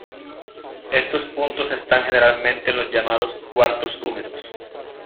Estos puntos están, generalmente, en los llamados cuartos húmedos.